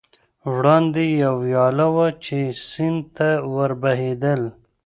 وړاندې یوه ویاله وه، چې سیند ته ور بهېدل.